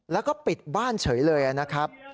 แล้วก็ปิดบ้านเฉยเลยนะครับ